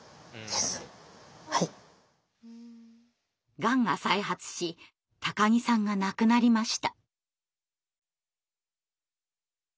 がんが再発し木さんが亡くなりました。